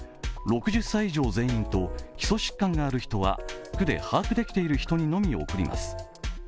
６０歳以上全員と基礎疾患がある人は区で把握できている人にのみ送ります。